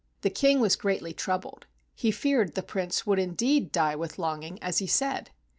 The King was greatly troubled ; he feared the Prince would indeed die with longing as he said.